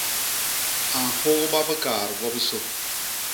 A nhôgba bikaat gwobisô.